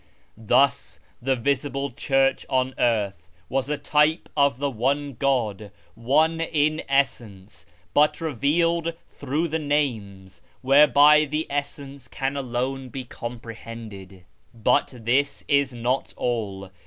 Thus the visible church on earth was a type of the one God, one in Essence, but revealed through the Names, whereby the Essence can alone be comprehended. But this is not all.